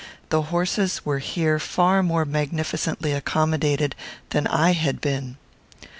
The horses were here far more magnificently accommodated than I had been.